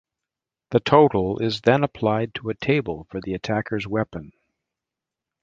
The total is then applied to a table for the attacker's weapon.